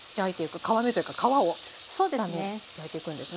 皮目というか皮を下に焼いていくんですね。